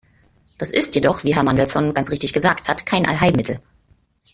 Das ist jedoch, wie Herr Mandelson ganz richtig gesagt hat, kein Allheilmittel.